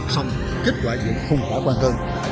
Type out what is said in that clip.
xong kết quả dựng không khả quan hơn